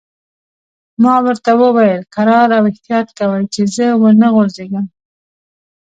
ما ورته وویل: کرار او احتیاط کوئ، چې زه و نه غورځېږم.